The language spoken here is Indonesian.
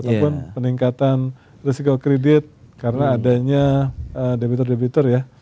ataupun peningkatan resiko kredit karena adanya debitor debitor ya